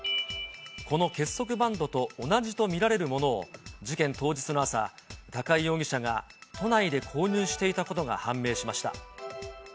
この結束バンドと同じと見られるものを、事件当日の朝、高井容疑者が都内で購入していたことが判明しました。